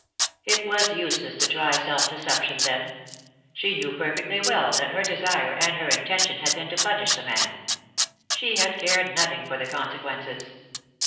It was useless to try self deception, then ; she knew perfectly well that her desire, and her intention, had been to punish the man. She had cared nothing for the consequences.